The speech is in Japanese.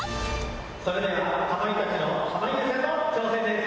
「それではかまいたちの濱家さんの挑戦です」